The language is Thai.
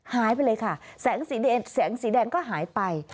หายไปเลยค่ะแสงสีแดงก็หายไป